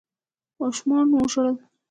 ماشومانو ژړل.